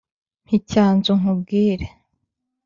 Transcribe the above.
Mpa icyanzu nkubwire